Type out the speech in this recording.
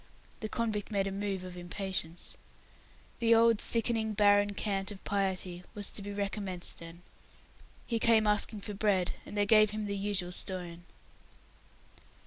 The convict made a move of impatience. The old, sickening, barren cant of piety was to be recommenced then. He came asking for bread, and they gave him the usual stone.